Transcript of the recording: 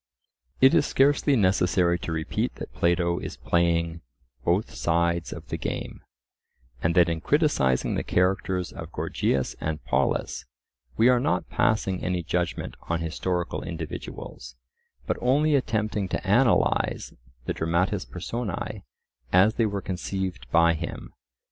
It is scarcely necessary to repeat that Plato is playing "both sides of the game," and that in criticising the characters of Gorgias and Polus, we are not passing any judgment on historical individuals, but only attempting to analyze the "dramatis personae' as they were conceived by him.